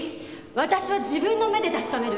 私は自分の目で確かめる。